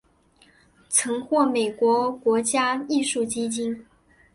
曾获美国国家艺术基金。